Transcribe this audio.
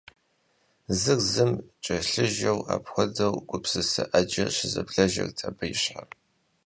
Зыр зым кӏэлъыжэу апхуэдэ гупсысэ ӏэджэ щызэблэжырт абы и щхьэм.